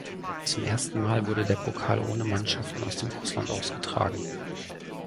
Zum ersten Mal wurde der Pokal ohne Mannschaften aus dem Ausland ausgetragen.